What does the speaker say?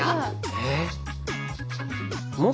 えっ？